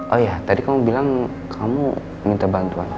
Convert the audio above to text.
oh iya tadi kamu bilang kamu minta bantuan